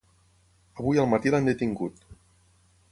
Avui al matí l’han detingut.